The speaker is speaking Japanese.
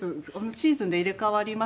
シーズンで入れ替わりますね。